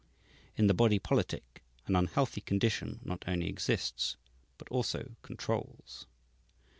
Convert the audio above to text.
In the body politic an unhealthy condition not only exists, but also controls.